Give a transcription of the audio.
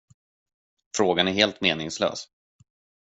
Frågan är helt meningslös.